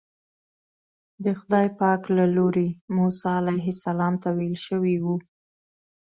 د خدای پاک له لوري موسی علیه السلام ته ویل شوي وو.